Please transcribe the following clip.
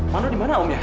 mano dimana om ya